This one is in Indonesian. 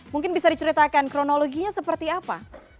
mungkin bisa diceritakan kronologinya seperti apa